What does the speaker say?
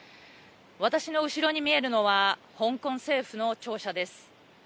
私の後ろに見えるのは香港政府の庁舎です。